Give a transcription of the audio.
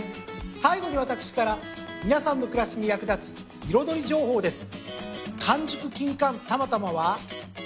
最後に私から皆さんの暮らしに役立つ彩り情報です。